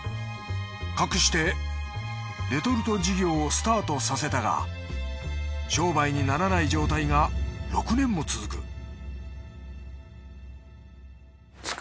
かくしてレトルト事業をスタートさせたが商売にならない状態が６年も続く